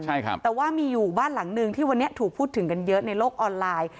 ใช่ครับแต่ว่ามีอยู่บ้านหลังนึงที่วันนี้ถูกพูดถึงกันเยอะในโลกออนไลน์